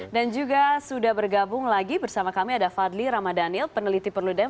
dan juga sudah bergabung lagi bersama kami ada fadli ramadhanil peneliti perludang